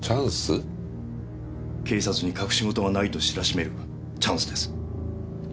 警察に隠し事はないと知らしめるチャンスです。